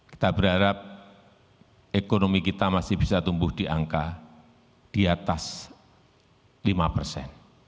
kita berharap ekonomi kita masih bisa tumbuh di angka di atas lima persen